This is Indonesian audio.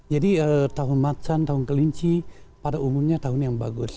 jadi tahun macan tahun kelinci pada umumnya tahun yang bagus